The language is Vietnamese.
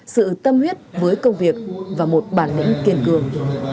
sự tâm huyết với công việc và một bản lĩnh kiên cường